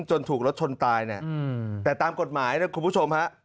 จนถูกลดชนตายน่ะอืมแต่ตามกฎหมายน่ะคุณผู้ชมฮะ